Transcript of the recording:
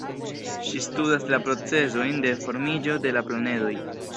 Ŝi studas la procezojn de formiĝo de la planedoj.